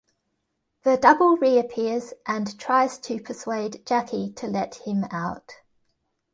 The double reappears and tries to persuade Jackie to let him out.